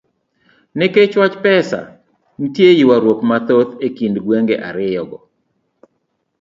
Nikech wach pesa, nitie ywaruok mathoth kind gwenge ariyogo.